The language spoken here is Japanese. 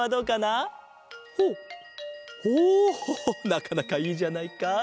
なかなかいいじゃないか。